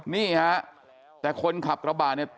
นี่ฮะแต่คนขับกระบาดเนี่ย